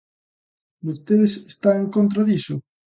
¿Vostedes están en contra diso?